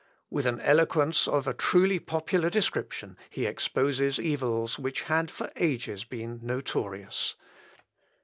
With an eloquence of a truly popular description he exposes evils which had, for ages, been notorious.